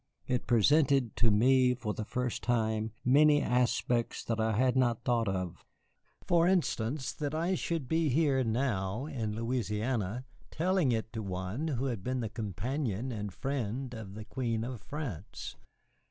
It presented to me, for the first time, many aspects that I had not thought of. For instance, that I should be here now in Louisiana telling it to one who had been the companion and friend of the Queen of France.